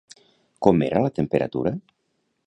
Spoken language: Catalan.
Com era la temperatura?